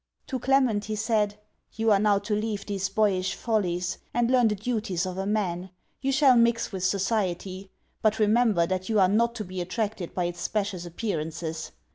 To Clement he said, 'You are now to leave these boyish follies, and learn the duties of a man. You shall mix with society; but remember that you are not to be attracted by its specious appearances.